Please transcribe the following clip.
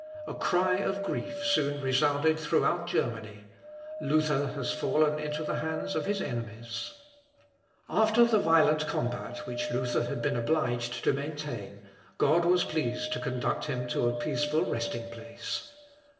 A cry of grief soon resounded throughout Germany "Luther has fallen into the hands of his enemies!" Longo itinere, novus eques, fessus. (L. Ep. ii, p. 3.) After the violent combat which Luther had been obliged to maintain, God was pleased to conduct him to a peaceful resting place.